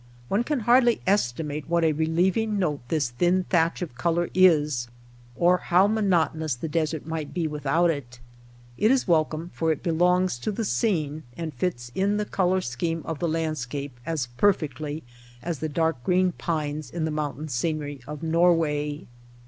One can hardly estimate what a relieving note this thin thatch of color is, or how monotonous the desert might be without it. It is welcome, for it belongs to the scene, and fits in the color scheme of the landscape as perfectly as the LIGHT, AIR, AND COLOR dark green pines in the mountain scenery of Norway.